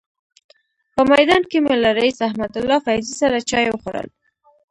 په میدان کې مې له رئیس احمدالله فیضي سره چای وخوړل.